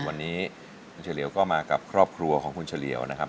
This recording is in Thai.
วันนี้คุณเฉลียวก็มากับครอบครัวของคุณเฉลียวนะครับ